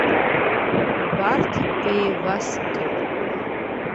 Убарҭ еиваскып.